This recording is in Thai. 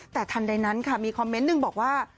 แต่ทันใดนั้นค่ะมีคอมเมนต์หนึ่งบอกว่า